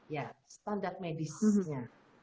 ya standar medisnya